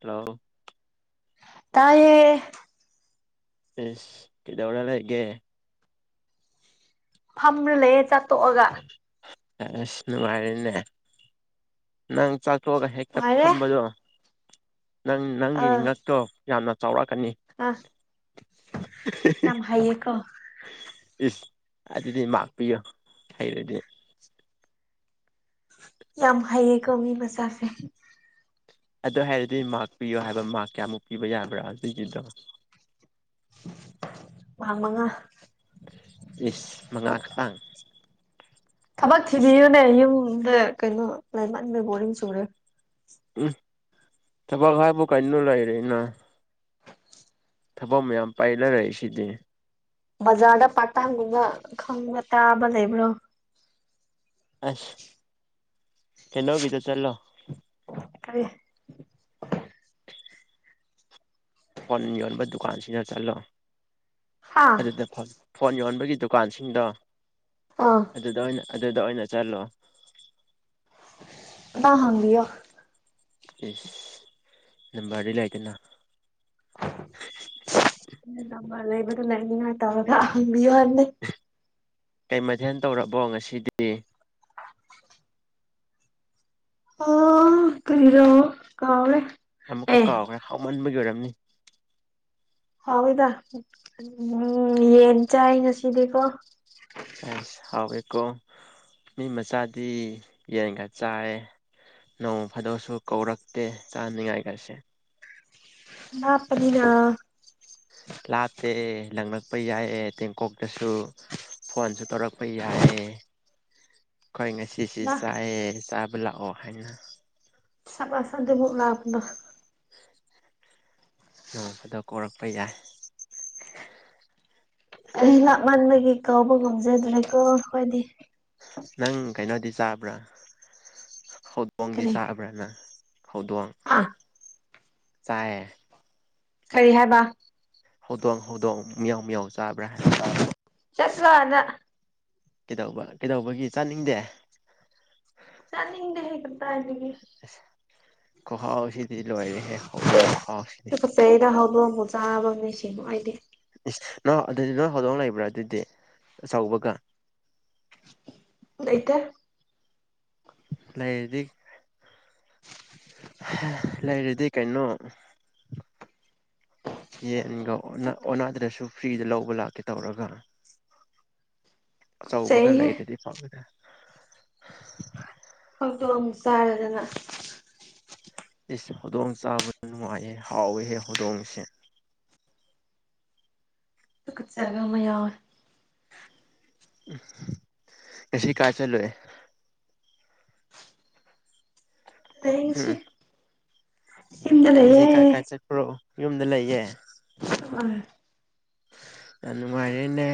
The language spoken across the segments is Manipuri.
ꯇꯂꯣ ꯇꯥꯌꯦ ꯏꯁ ꯀꯗꯧꯔ ꯂꯩꯒꯦ ꯐꯝꯔ ꯂꯩꯌꯦ ꯆꯥꯛꯇꯣꯛꯑꯒ [unintelligible] ꯅꯨꯡꯉꯥꯏꯔꯦꯅꯦ ꯅꯪ ꯆꯥꯛꯊꯣꯛꯑꯒ ꯍꯦꯛꯇ ꯅꯨꯡꯉꯥꯏꯔꯦ ꯐꯝꯕꯗꯣ ꯅꯪ ꯅꯪꯒꯤ ꯉꯛꯇꯣ ꯌꯥꯝꯅ ꯆꯥꯎꯔꯥꯛꯀꯅꯤ ꯑ ꯌꯥꯝ ꯍꯩꯌꯦꯀꯣ ꯏꯁ ꯑꯗꯨꯗꯤ ꯃꯥꯛ ꯄꯤꯌꯣ ꯍꯩꯔꯗꯤ ꯌꯥꯝ ꯍꯩꯌꯦꯀꯣ ꯃꯤ ꯃꯆꯥꯁꯦ ꯑꯗꯨ ꯍꯩꯔꯗꯤ ꯃꯥꯛ ꯄꯤꯌꯣ ꯍꯥꯏꯕ ꯃꯥꯛ ꯀꯌꯥꯃꯨꯛ ꯄꯤꯕ ꯌꯥꯕ꯭ꯔꯥ ꯑꯗꯨꯏꯗꯣ [unintelligible] ꯃꯥꯛ ꯃꯉꯥ ꯏꯁ ꯃꯉꯥ ꯈꯥꯇꯪ ꯊꯕꯛ ꯊꯤꯕꯤꯌꯨꯅꯦ ꯌꯨꯝꯗ ꯀꯩꯅꯣ ꯂꯩꯃꯟꯕꯩ ꯕꯣꯔꯤꯡ ꯆꯨꯔꯦ ꯎꯝ ꯊꯕꯛ ꯍꯥꯏꯕꯨ ꯀꯩꯅꯣ ꯂꯩꯔꯦꯅ ꯊꯕꯛ ꯃꯌꯥꯝ ꯄꯩꯂ ꯂꯩꯁꯤꯗꯤ ꯕꯖꯥꯔꯗ ꯄꯥꯔꯠ ꯇꯥꯏꯝꯒꯨꯝꯕ ꯈꯪꯕ ꯇꯥꯕ ꯂꯩꯕ꯭ꯔꯣ ꯑꯁ ꯀꯩꯅꫭꯒꯤꯗ ꯆꯜꯂꯣ [unintelligible] ꯀꯩ ꯐꯣꯟ ꯌꯣꯟꯕ ꯗꯨꯀꯥꯟꯁꯤꯅ ꯆꯠꯂꯣ ꯍꯥ ꯑꯗꯨꯗ ꯐꯪ ꯐꯣꯟ ꯌꯣꯟꯕꯒꯤ ꯗꯨꯀꯥꯟꯁꯤꯡꯗꯣ ꯑ ꯑꯗꯨꯗ ꯑꯣꯏꯅ ꯑꯗꯨꯗ ꯑꯣꯏꯅ ꯆꯠꯂꯣ ꯇ ꯍꯥꯡꯕꯤꯌꯣ ꯏꯁ ꯅꯝꯕꯥꯔꯗꯤ ꯂꯩꯗꯅ ꯂꯝꯕꯥ ꯂꯩꯕꯗꯣ ꯂꯩꯍꯟꯅꯤꯡꯉꯥꯏ ꯇꯧꯕꯤꯌꫭ ꯍꯪꯕꯤꯌꫭ ꯍꯥꯏꯕꯅꯦ ꯀꯩ ꯃꯗꯦꯜ ꯇꯧꯔꯕꯣ ꯉꯁꯤꯗꯤ ꯑꯣ ꯀꯩꯔꯣ ꯀꯥꯎꯔꯦ ꯑꯃꯨꯛꯀ ꯑꯦ ꯀꯥꯎꯒ꯭ꯔꯦ ꯍꯥꯎꯃꯟꯕꯒꯤ ꯑꯣꯏꯔꯝꯅꯤ ꯍꯥꯎꯋꯦꯗ [unintelligible] ꯌꯦꯟ ꯆꯥꯏ ꯉꯁꯤꯗꯤꯀꯣ ꯆꯥꯏꯁ ꯍꯥꯎꯋꯦꯀꯣ ꯃꯤ ꯃꯆꯥꯗꯤ ꯌꯦꯟꯒ ꯆꯥꯏꯑꯦ ꯅꯣꯡ ꯐꯥꯗꯣꯛꯁꯨ ꯀꯧꯔꯛꯇꯦ ꯆꯥꯅꯤꯡꯉꯥꯏꯒꯁꯦ ꯂꯥꯞꯄꯅꯤꯅ ꯂꯥꯠꯇꯦ ꯂꯪꯉꯛꯄ ꯌꯥꯏꯌꯦ ꯇꯦꯡꯀꯣꯛꯇꯁꯨ ꯐꯣꯟꯁꯨ ꯇꯧꯔꯛꯄ ꯌꯥꯏꯌꯦ ꯑꯩꯈꯣꯏ ꯉꯁꯤ ꯖꯤꯁꯤ ꯅꯥ ꯆꯥꯑꯦ ꯆꯥꯕ ꯂꯥꯛꯑꯣ ꯍꯥꯏꯅ ꯁꯥꯕꯁ ꯑꯗꯨꯕꯨ ꯂꯥꯞꯕ ꯅꯣꯡꯃꯗ ꯀꯣꯔꯛꯄ ꯌꯥꯏ ꯑꯩ ꯂꯥꯛꯃꯟꯕꯒꯤ ꯀꯧꯕ ꯉꯝꯖꯗ꯭ꯔꯦꯀꯣ ꯑꯩꯈꯣꯏꯗꯤ ꯅꯪ ꯀꯩꯅꯣꯗꯤ ꯆꯥꯕ꯭ꯔꯥ ꯍꯧꯗꯣꯡꯗꯤ ꯀꯔꯤ ꯆꯥꯕ꯭ꯔꯥ ꯅꯪ ꯍꯧꯗꯣꯡ ꯑꯥ ꯆꯥꯏꯌꯦ ꯀꯔꯤ ꯍꯥꯏꯕ ꯍꯧꯗꯣꯡ ꯍꯧꯗꯣꯡ ꯃꯤꯌꯥꯎ ꯃꯤꯌꯥꯎ ꯆꯥꯕ꯭ꯔꯥ ꯍꯥꯏꯕ ꯆꯠꯂꯨ ꯑꯥꯗ ꯀꯩꯗꯧꯕ ꯀꯩꯗꯧꯕꯒꯤ ꯆꯥꯅꯤꯡꯗꯦ ꯆꯥꯅꯤꯡꯗꯦꯍꯦ ꯀꯗꯥꯏꯗꯒꯤ ꯈꯨꯍꯥꯎꯁꯤꯗꯤ ꯂꯣꯏꯔꯦꯍꯦ ꯍꯧꯗꯣꯡ ꯈꯨꯍꯥꯎꯁꯤꯗꯤ ꯆꯩꯗ ꯍꯧꯗꯣꯡꯕꯨ ꯆꯥꯕ ꯃꯤꯁꯤ ꯑꯩꯗꯤ ꯏꯁ ꯅ ꯑꯗꯨꯗꯤ ꯅꯣꯏ ꯍꯧꯗꯣꯡ ꯂꯩꯕ꯭ꯔꯥ ꯑꯗꯨꯗꯤ ꯑꯆꯧꯕꯒ ꯂꯩꯇꯦ ꯂꯩꯔꯗꯤ ꯂꯩꯔꯗꯤ ꯀꯩꯅꯣ ꯌꯦꯟꯒ ꯑꯣꯟꯅ ꯑꯣꯟꯅꯥꯗ꯭ꯔꯁꯨ ꯐ꯭ꯔꯤꯗ ꯂꯧꯕ ꯂꯥꯛꯀꯦ ꯇꯧꯔꯒ ꯑꯆꯧꯕꯒ ꯇꯨꯀꯠꯆꯩꯍꯦ ꯂꯩꯔꯗꯤ ꯄꯥꯝꯃꯤꯗ ꯍꯧꯗꯣꯡ ꯆꯥꯔꯗꯅ ꯏꯁ ꯍꯧꯗꯣꯡ ꯆꯥꯕꯅ ꯅꯨꯡꯉꯥꯏꯍꯦ ꯍꯥꯎꯋꯦꯍꯦ ꯍꯧꯗꯣꯡꯁꯦ ꯇꯨꯀꯠꯆꯕꯃ ꯌꯥꯎꯋꯦ ꯉꯁꯤ ꯀꯥꯏ ꯆꯠꯂꯨꯏ ꯑꯌꯦꯡꯁꯤ ꯎꯝ ꯉꯁꯤ ꯀꯥꯏ ꯀꯥꯏ ꯆꯠꯄ꯭ꯔꯣ ꯌꯨꯝꯗ ꯂꯩꯌꯦ ꯎꯝ ꯑ ꯅꯨꯡꯉꯥꯏꯔꯦꯅꯦ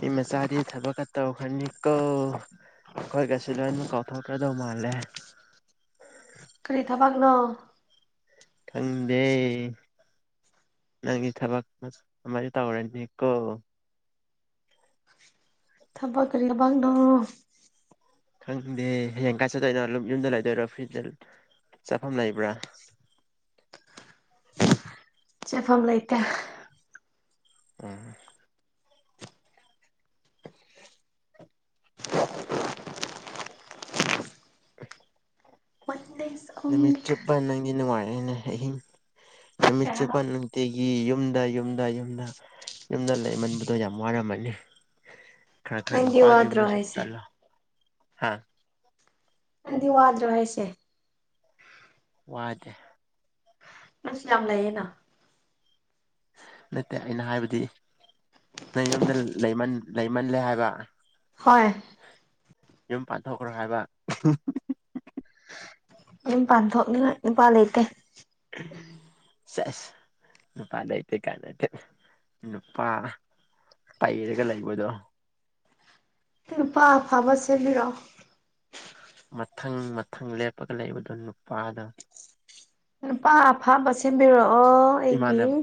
ꯃꯤ ꯃꯆꯥꯗꯤ ꯊꯕꯛꯀ ꯇꯧꯈ꯭ꯔꯅꯤꯀꯣ ꯈꯣꯏꯒꯁꯤ ꯂꯣꯏꯅꯃꯛ ꯀꯥꯎꯊꯣꯛꯈ꯭ꯔꯗꯧ ꯃꯥꯜꯂꯦ ꯀꯔꯤ ꯊꯕꯛꯅꯣ ꯊꯪꯗꯦ ꯅꯪꯒꯤ ꯊꯕꯛ ꯑꯃꯗꯤ ꯇꯧꯔꯅꯤ ꯀꯣ ꯊꯕꯛ ꯀꯔꯤ ꯊꯕꯛꯅꯣ ꯈꯪꯗꯦ ꯍꯌꯦꯡ ꯀꯥꯏ ꯆꯠꯇꯣꯏꯅꯣ ꯑꯗꯨꯝ ꯌꯨꯝꯗ ꯂꯩꯗꯣꯏꯔꯥ ꯐ꯭ꯔꯤꯗ ꯆꯠꯐꯝ ꯂꯩꯕ꯭ꯔꯥ ꯆꯠꯐꯝ ꯂꯩꯇꯦ ꯎꯝ [unintelligible] ꯋꯥꯟ ꯗꯦꯁ ꯅꯨꯃꯤꯠ ꯆꯨꯞꯄ ꯅꯪꯗꯤ ꯅꯨꯡꯉꯥꯏꯔꯦꯅꯦ ꯑꯍꯤꯡ ꯀꯩ ꯅꯨꯃꯤꯠ ꯍꯥꯏꯕ ꯆꯨꯞꯄ ꯅꯨꯡꯇꯤ ꯒꯤ ꯌꯨꯝꯗ ꯌꯨꯝꯗ ꯌꯨꯝꯗ ꯌꯨꯝꯗ ꯂꯩꯃꯟꯕꯗꯣ ꯌꯥꯝ ꯋꯥꯔꯝꯃꯅꯤ ꯈꯔ ꯈꯔ ꯅꯪꯗꯤ ꯅꯨꯄꯥꯒꯤ ꯋꯥꯗ꯭ꯔꯣ ꯌꯨꯝꯗꯁꯨ ꯍꯥꯏꯁꯦ ꯆꯠꯂꯣ ꯍꯥ ꯅꯪꯗꯤ ꯋꯥꯗ꯭ꯔꯣ ꯍꯥꯏꯁꯦ ꯋꯥꯗꯦ ꯅꯣꯏꯁꯨ ꯌꯥꯝ ꯂꯩꯌꯦꯅ ꯅꯠꯇꯦ ꯑꯩꯅ ꯍꯥꯏꯕꯗꯤ ꯅꯪ ꯌꯨꯝꯗ ꯂꯩꯃꯟ ꯂꯩꯃꯜꯂꯦ ꯍꯥꯏꯕ ꯍꯣꯏ ꯌꯨꯝ ꯄꯥꯟꯊꯣꯛꯈ꯭ꯔꯣ ꯍꯥꯏꯕ ꯌꯨꯃ ꯄꯥꯟꯊꯣꯛꯅꯤꯡꯉꯥꯏ ꯅꯨꯄꯥ ꯂꯩꯇꯦ ꯁꯁ ꯅꯨꯄꯥ ꯂꯩꯇꯦ ꯀꯥꯅ ꯇꯨꯠ ꯅꯨꯄꯥ ꯄꯩꯔꯒ ꯂꯩꯕꯗꯣ ꯅꯨꯄꯥ ꯑꯐꯕ ꯁꯦꯝꯕꯤꯔꯛꯑꯣ ꯃꯊꯪ ꯃꯊꯪ ꯂꯦꯞꯄꯒ ꯂꯩꯕꯗꯣ ꯅꯨꯄꯥꯅ ꯅꯨꯨꯄꯥ ꯑꯐꯕ ꯁꯦꯝꯕꯤꯔꯛꯑꯣ ꯑꯩꯒꯤ ꯏꯃꯥꯟꯅꯕ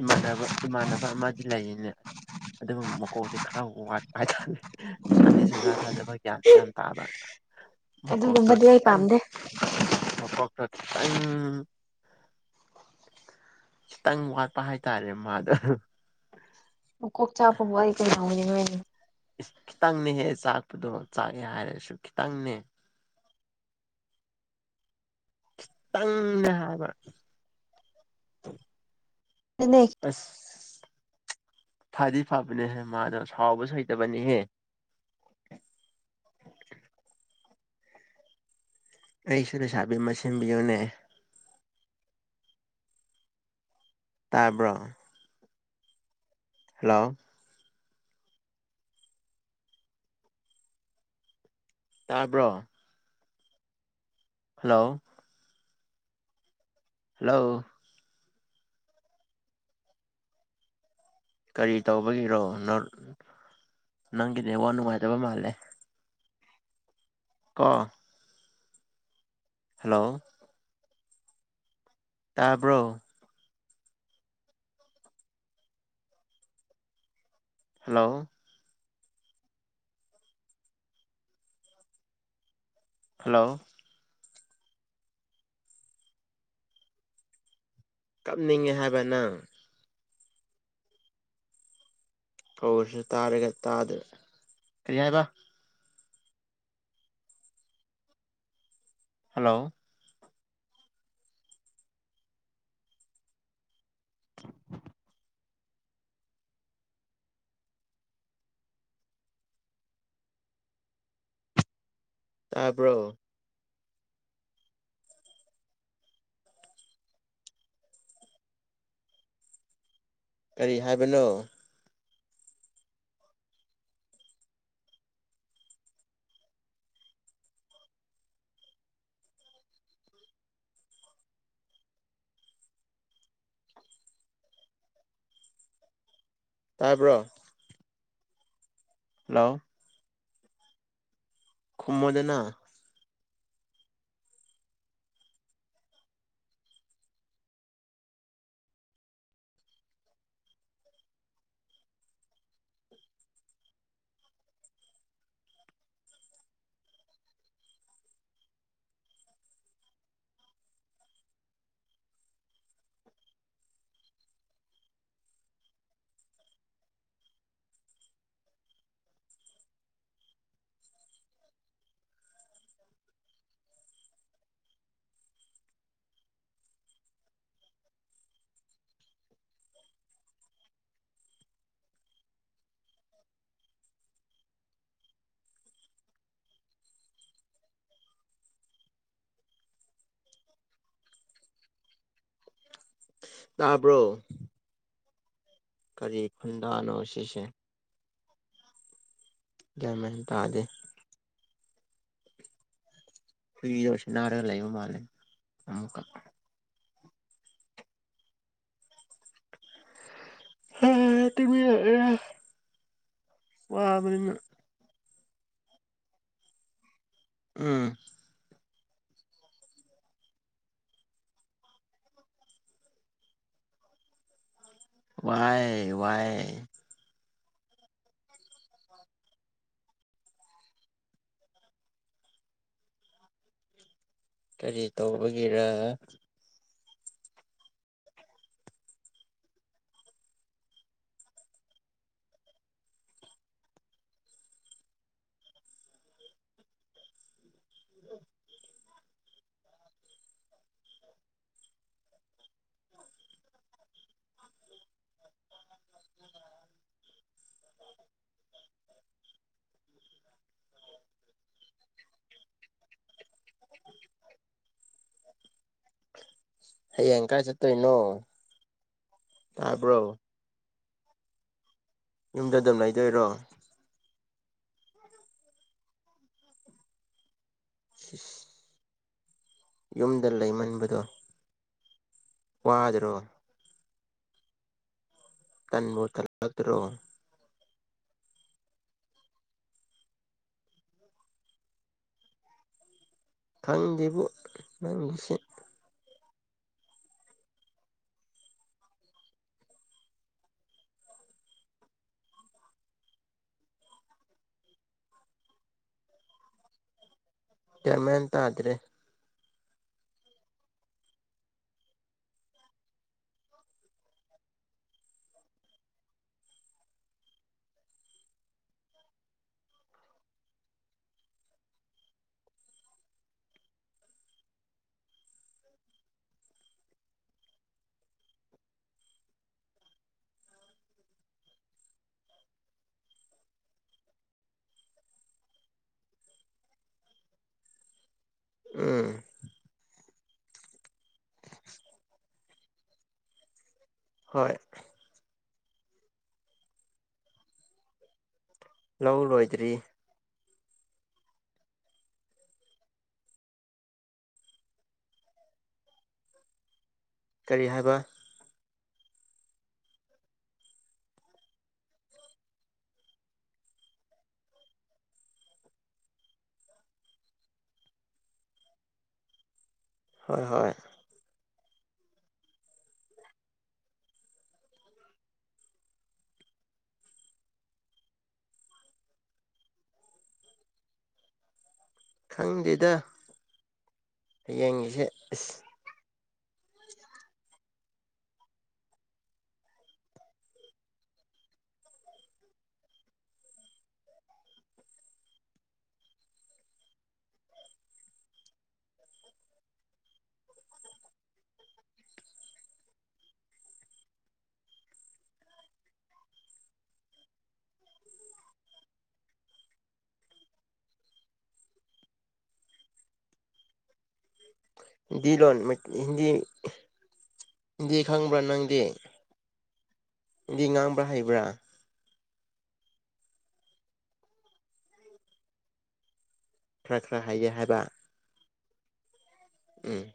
ꯏꯃꯥꯟꯅꯕ ꯏꯃꯥꯟꯅꯕ ꯑꯃꯗꯤ ꯂꯩꯌꯦꯅꯦ ꯫ ꯑꯗꯨꯕꯨ ꯃꯀꯣꯛꯇꯤ ꯈꯔ ꯋꯥꯠꯄ ꯍꯥꯏꯇꯥꯔ‌ꯦ ꯅꯤꯁꯥꯗꯤ ꯁꯨꯡꯖꯥ ꯆꯥꯗꯕ ꯒ꯭ꯌꯥꯟꯗꯤ ꯌꯥꯝ ꯇꯥꯕ ꯫ ꯑꯗꯨꯒꯨꯝꯕꯗꯤ ꯑꯩ ꯄꯥꯝꯗꯦ ꯫ ꯃꯀꯣꯛꯇ‌ꯣ ꯈꯤꯇꯪ ꯈꯤꯇꯪ ꯋꯥꯠꯄ ꯍꯥꯏꯇꯔꯦ ꯃꯥꯗꯣ ꯫ ꯃꯀꯣꯛ ꯆꯥꯛꯄꯕꯨ ꯑꯩ ꯀꯅꯥ ꯑꯣꯏꯅꯤꯡꯉꯥꯏꯅꯣ ꯈꯤꯇꯪꯅꯦꯍꯦ ꯆꯥꯛꯄꯗꯣ ꯆꯥꯛꯑꯦ ꯍꯥꯏꯔꯁꯨ ꯈꯤꯇꯪꯅꯦ ꯫ ꯈꯤꯇꯪꯅꯦ ꯍꯥꯏꯕ ꯫ ꯑꯗꯨꯅꯦ ꯑꯁ ꯐꯗꯤ ꯐꯕꯅꯦꯍꯦ ꯃꯥꯗꯣ ꯁꯥꯎꯕꯁꯨ ꯍꯩꯇꯕꯅꯤꯍꯦ ꯫ ꯑꯩꯁꯨ ꯂꯩꯁꯥꯕꯤ ꯑꯃ ꯁꯤꯟꯕꯤꯌꯨꯅꯦ ꯫ ꯇꯥꯕ꯭ꯔꯣ ꯍꯜꯂꯣ ꯇꯥꯕ꯭ꯔꯣ ꯍꯜꯂꯣ ꯍꯜꯂꯣ ꯀꯔꯤ ꯇꯧꯕꯒꯤꯔꯣ ꯅꯪ ꯅꯪꯒꯤ ꯅꯦꯠꯋꯥꯛ ꯅꯨꯡꯉꯥꯏꯇꯕ ꯃꯥꯜꯂꯦ ꯫ ꯀ‌ꯣ ꯍꯜꯂꯣ ꯇꯥꯕ꯭ꯔ‌ꯣ? ꯍꯜꯂꯣ ꯍꯜꯂꯣ ꯀꯞꯅꯤꯡꯉꯦ ꯍꯥꯏꯕ ꯅꯪ ꯀꯧꯔꯁꯨ ꯇꯥꯔꯒ ꯇꯥꯗ꯭ꯔ ꯀꯔꯤ ꯍꯥꯏꯕ? ꯍꯜꯂꯣ ꯇꯥꯕ꯭ꯔꯣ? ꯀꯔꯤ ꯍꯥꯏꯕꯅꯣ? ꯇꯥꯕ꯭ꯔꯣ? ꯍꯜꯂꯣ ꯈꯨꯝꯃꯣꯗꯅ ꯇꯥꯕ꯭ꯔꯣ? ꯀꯔꯤ ꯈꯨꯟꯗꯥꯅꯣ ꯁꯤꯁꯦ? ꯒ꯭ꯌꯥꯟ ꯃ‌ꯦꯟ ꯇꯥꯗꯦ ꯫ ꯍꯨꯏꯗꯣ ꯁꯥꯟꯅꯔꯒ ꯂꯩꯕ ꯃꯥꯂꯦ ꯑꯃꯨꯛꯀ ꯍꯥ ꯇꯨꯝꯅꯤꯡꯉꯒꯑꯦ ꯋꯥꯕꯅꯤꯅ ꯫ ꯎꯝ ꯋꯥꯏ ꯋꯥꯏ ꯀꯔꯤ ꯇꯧꯕꯒꯤꯔ ꯍꯌꯦꯡ ꯀꯥꯏ ꯆꯠꯇꯣꯏꯅꯣ ꯇꯥꯕ꯭ꯔꯣ? ꯌꯨꯝꯗꯥ ꯑꯗꯨꯝ ꯂꯩꯥꯏꯗꯣꯏꯔꯣ? ꯏꯁ ꯏꯁ ꯌꯨꯝꯗ ꯂꯩꯃꯟꯕꯗꯣ ꯋꯥꯗꯔꯣ? ꯇꯟꯕꯨ ꯇꯜꯂꯛꯇ꯭ꯔꯣ? ꯈꯪꯗꯤꯕꯨ ꯅꯪꯒꯤꯁꯦ ꯫ ꯒ꯭ꯌꯥꯟ ꯃꯦꯟ ꯇꯥꯗ꯭ꯔꯦ ꯫ ꯎꯝ ꯍꯣꯏ ꯂꯧ ꯂꯣꯏꯗ꯭ꯔꯤ ꯫ ꯀꯔꯤ ꯍꯥꯏꯕ? ꯍ‌ꯣꯏ ꯍꯣꯏ ꯈꯪꯗꯦꯗ ꯍꯌꯦꯡꯉꯤꯁꯦ ꯑꯁ ꯍꯤꯟꯗꯤ ꯂꯣꯟ ꯍꯤꯟꯗꯤ ꯍꯤꯟꯗꯤ ꯈꯪꯕ꯭ꯔꯥ ꯅꯪꯗꯤ ꯍꯤꯟꯪꯗꯤ ꯉꯥꯡꯕ ꯍꯩꯕ꯭ꯔꯥ ꯈꯔ ꯈꯔꯥ ꯍꯩ ꯍꯥꯏꯕ ꯎꯝ